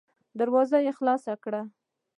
دروازه يې خلاصه کړه.